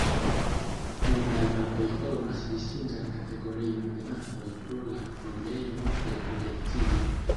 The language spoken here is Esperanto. Mondaj mapoj formas distingan kategorion de mapoj pro la problemo de projekcio.